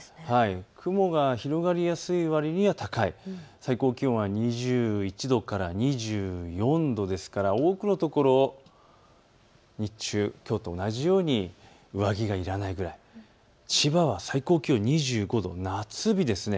雲が広がりやすいわりに気温が高い、最高気温は２１度から２４度ですから多くの所、日中きょうと同じように上着がいらないぐらい、千葉は最高気温２５度、夏日です。